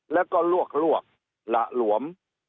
แล้วก็ลวกหละหลวม